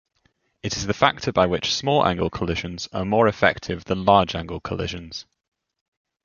It is the factor by which small-angle collisions are more effective than large-angle collisions.